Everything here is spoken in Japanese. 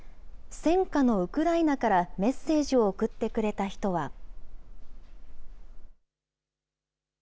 戦火のウクライナからメッセージを送ってくれた人は。